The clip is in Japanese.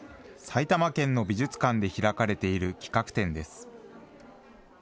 埼玉県の美術館で開かれている企画展です。